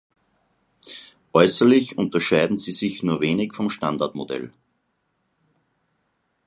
Äußerlich unterschieden sie sich nur wenig vom Standardmodell.